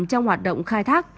trong hoạt động khai thác